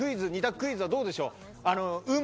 クイズはどうでしょう。